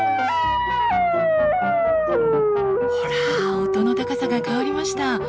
ほら音の高さが変わりました。